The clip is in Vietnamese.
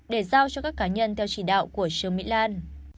để giao cho các cá nhân theo chỉ đạo của trương mỹ lan